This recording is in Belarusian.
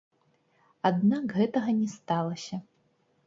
Аднак, гэтага не сталася.